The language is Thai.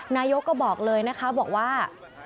นายกก็บอกเลยนะคะบอกว่า